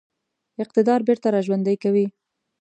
اقتدار بیرته را ژوندی کوي.